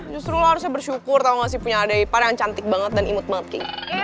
justru lo harusnya bersyukur tau gak sih punya adik ipar yang cantik banget dan imut banget kayaknya